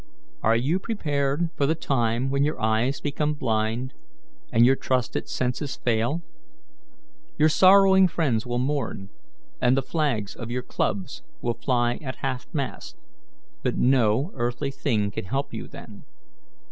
Are you prepared for the time when your eyes become blind, and your trusted senses fail? Your sorrowing friends will mourn, and the flags of your clubs will fly at half mast, but no earthly thing can help you then.